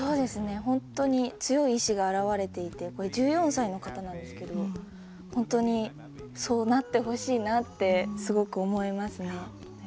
本当に強い意思が表れていて１４歳の方なんですけど本当にそうなってほしいなってすごく思いますね。